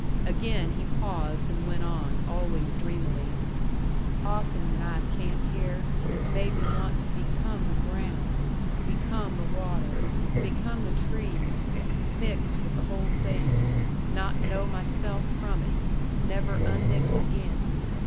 Again he paused and went on, always dreamily. "Often when I have camped here, it has made me want to become the ground, become the water, become the trees, mix with the whole thing. Not know myself from it. Never unmix again.